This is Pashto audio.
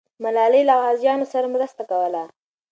ملالۍ له غازیانو سره مرسته کوله.